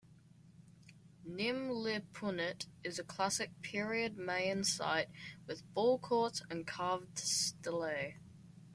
Nim Li Punit is a Classic Period Mayan site with ballcourts and carved stelae.